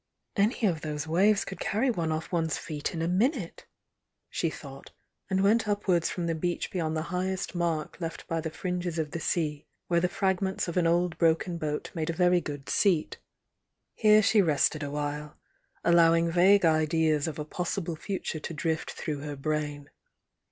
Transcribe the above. "Any of those waves could carry one ofif one's feet in a minute," she thought, and went upwards from the beach beyond the highest mark left by the fringes of the sea, where the fragments of an old broken boat made a very good seat. Here she rested awhile, allowing vague ideas of a possible future to drift through her brain.